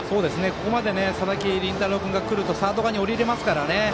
ここまで佐々木麟太郎君が来るとサード側におりれますからね。